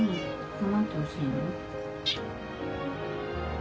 構ってほしいの？